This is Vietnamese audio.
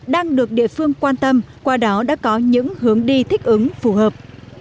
đang được địa phương quan tâm qua đó đã có những hướng đi thích ứng phù hợp